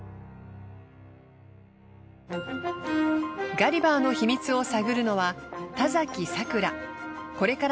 ガリバーの秘密を探るのは田さくら。